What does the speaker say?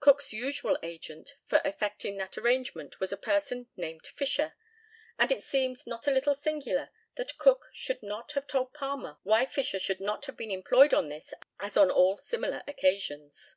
Cook's usual agent for effecting that arrangement was a person named Fisher, and it seems not a little singular that Cook should not have told Palmer why Fisher should not have been employed on this as on all similar occasions.